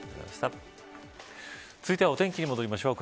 続いてはお天気に戻りましょう。